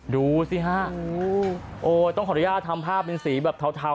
ดูสิฮะโอ้ต้องขออนุญาตทำภาพเป็นสีแบบเทา